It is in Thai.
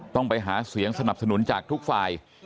ต้องไปหาเสียงสนับสนุนจากทุกฝ่าย